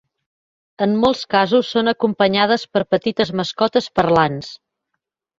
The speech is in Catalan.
En molts casos són acompanyades per petites mascotes parlants.